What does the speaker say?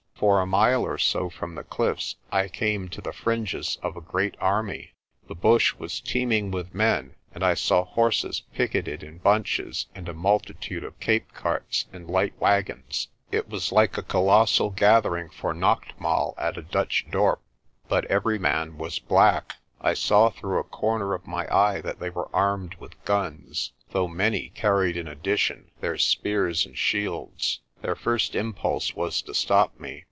For a mile or so from the cliffs I came to the fringes of a great army. The bush was teeming with men, and I saw horses picketed in I GO TREASURE HUNTING 129 bunches and a multitude of Cape carts and light wagons. It was like a colossal gathering for naachtmaal * at a Dutch dorp, but every man was black. I saw through a corner of my eye that they were armed with guns, though many carried in addition their spears and shields. Their first impulse was to stop me.